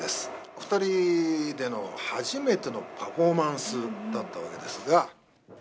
２人での初めてのパフォーマンスだったわけですが。